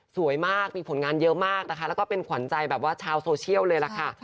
สวยมากมีผลงานเยอะมากนะคะแล้วก็เป็นขวัญใจแบบว่าชาวโซเชียลเลยล่ะค่ะ